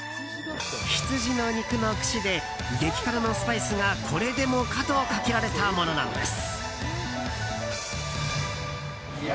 ヒツジの肉の串で激辛のスパイスが、これでもかとかけられたものなんです。